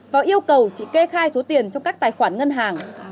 và yêu cầu chị kê khai số tiền trong các tài khoản ngân hàng